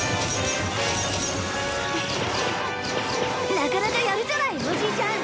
なかなかやるじゃないおじいちゃん。